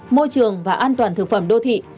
môi trường và an toàn thực phẩm đô thị